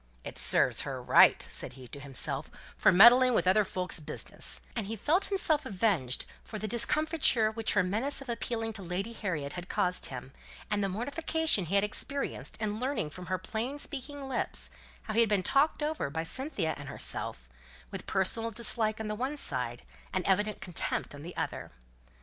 "It serves her right," said he to himself, "for meddling with other folk's business," and he felt himself avenged for the discomfiture which her menace of appealing to Lady Harriet had caused him, and the mortification he had experienced in learning from her plain speaking lips, how he had been talked over by Cynthia and herself, with personal dislike on the one side, and evident contempt on the other.